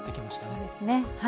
そうですね。